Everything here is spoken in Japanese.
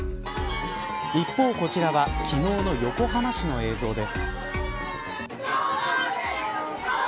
一方、こちらは昨日の横浜市の映像です。